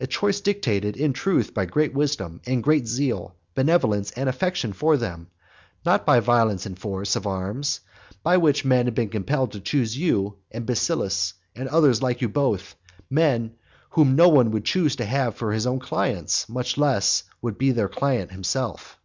a choice dictated, in truth, by great wisdom, and great zeal, benevolence, and affection for them; not by violence and force of arms, by which men have been compelled to choose you, and Basilus, and others like you both, men whom no one would choose to have for his own clients, much less to be their client himself.